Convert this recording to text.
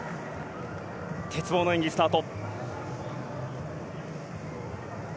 鉄棒の演技スタート。